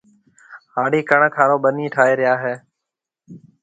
هاڙِي ڪڻڪ هارون ٻنِي ٺاهيَ ريا هيَ۔